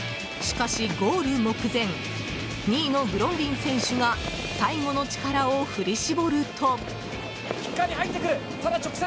しかし、ゴール目前２位のグロンディン選手が最後の力を振り絞ると。